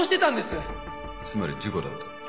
つまり事故だと。